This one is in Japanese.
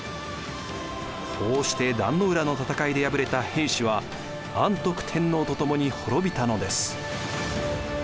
こうして壇の浦の戦いで敗れた平氏は安徳天皇とともにほろびたのです。